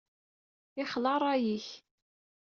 Ixla rray-ik!